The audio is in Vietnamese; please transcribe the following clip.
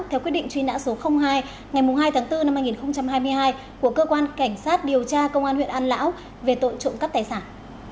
theo quyết định truy nã số hai ngày hai tháng bốn năm hai nghìn hai mươi hai của cơ quan cảnh sát điều tra công an huyện an lão về tội trộm cắp tài sản